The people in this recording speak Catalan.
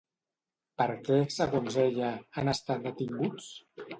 Per què, segons ella, han estat detinguts?